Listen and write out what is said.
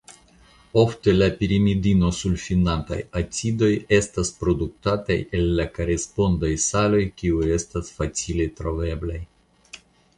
Ofte la pirimidinosulfinataj acidoj estas produktataj el la korespondaj saloj kiuj estas facile troveblaj.